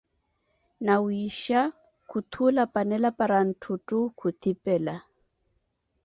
Nawiixha khuthula panela para ntthutthu khuthipela.